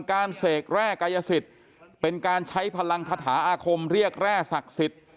เสกแร่กายสิทธิ์เป็นการใช้พลังคาถาอาคมเรียกแร่ศักดิ์สิทธิ์